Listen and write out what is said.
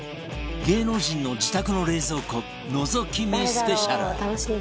芸能人の自宅の冷蔵庫のぞき見スペシャル